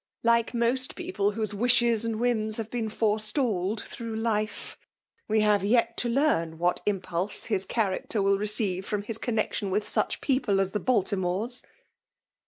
like most people whose wishes and whimi have been forestalled through life. We have yet to learn what impulse his character will ^ receive from his connexion with such people as the Baltimores."